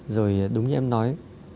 rồi đúng như em nói